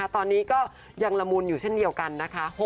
ตอนนี้ก็ยังละมุนอยู่เช่นเดียวกันนะคะ